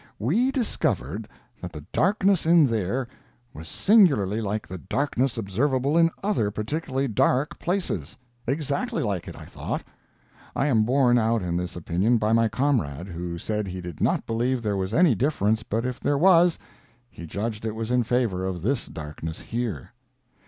We discovered that the darkness in there was singularly like the darkness observable in other particularly dark places—exactly like it, I thought. I am borne out in this opinion by my comrade, who said he did not believe there was any difference but if there was, he judged it was in favor of this darkness here.